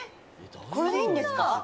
これでいいんですか？